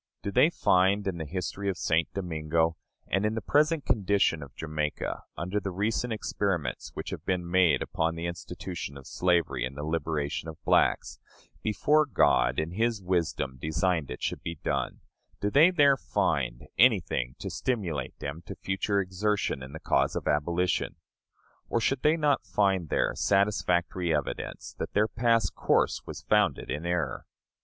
Do they find in the history of St. Domingo, and in the present condition of Jamaica, under the recent experiments which have been made upon the institution of slavery in the liberation of the blacks, before God, in his wisdom, designed it should be done do they there find anything to stimulate them to future exertion in the cause of abolition? Or should they not find there satisfactory evidence that their past course was founded in error?